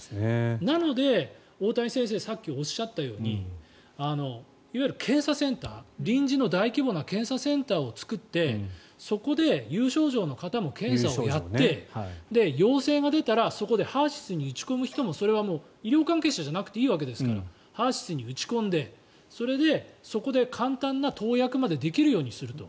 なので、大谷先生がさっきおっしゃったようにいわゆる検査センター臨時の大規模な検査センターを作ってそこで有症状の方も検査をやって陽性が出たら、そこでＨＥＲ−ＳＹＳに打ち込む人もそれはもう医療関係者じゃなくていいわけですからＨＥＲ−ＳＹＳに打ち込んでそれでそこで簡単な投薬までできるようにすると。